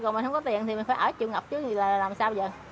còn mà không có tiền thì mình phải ở chỗ ngập chứ làm sao bây giờ